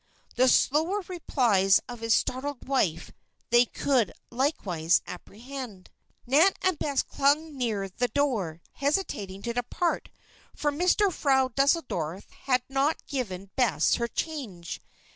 The slower replies of his startled wife they could likewise apprehend. Nan and Bess clung together near the door, hesitating to depart, for Mister Frau Deuseldorf had not given Bess her change.